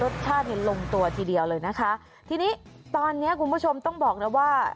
รสชาติเนี่ยลงตัวทีเดียวเลยนะคะทีนี้ตอนเนี้ยคุณผู้ชมต้องบอกนะว่า